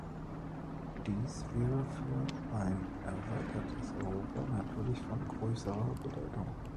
Dies wäre für ein erweitertes Europa natürlich von größerer Bedeutung.